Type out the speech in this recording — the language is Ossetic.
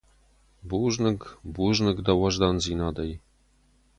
Бузныг, бузныг дӕ уӕздандзинадӕй.